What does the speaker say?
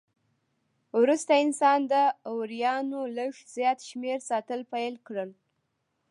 وروسته انسان د وریانو لږ زیات شمېر ساتل پیل کړل.